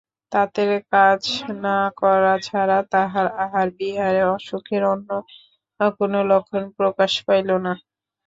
তাঁতের কাজ না করা ছাড়া তাহার আহারবিহারে অসুখের অন্য কোনো লক্ষণ প্রকাশ পাইল না।